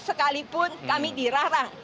sekalipun kami dirarang